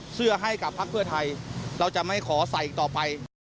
เสื้อให้กับภัคเว่อทัยเราจะไม่ขอใส่อีกต่อไป